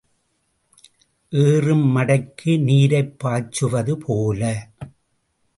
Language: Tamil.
ஏறும் மடைக்கு நீரைப் பாய்ச்சுவது போல.